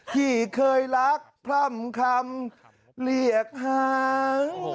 ที่เคยรักพร่ำคำเรียกหาง